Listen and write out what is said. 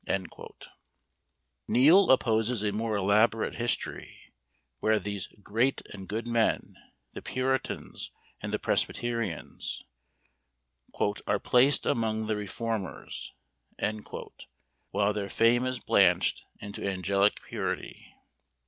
Neal opposes a more elaborate history; where these "great and good men," the puritans and the presbyterians, "are placed among the reformers;" while their fame is blanched into angelic purity.